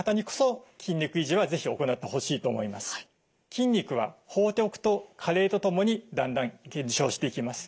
筋肉は放っておくと加齢とともにだんだん減少していきます。